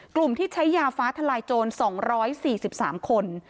กลุ่มที่ใช้ยาฟ้าทลายโจร๒๔๓คน